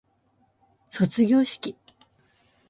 卒業式